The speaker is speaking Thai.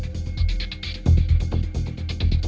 ช่วงนี้ยังไม่จ้าง